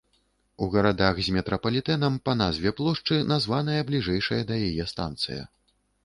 У гарадах з метрапалітэнам па назве плошчы названая бліжэйшая да яе станцыя.